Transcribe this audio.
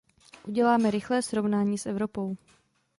Uděláme rychlé srovnání s Evropou.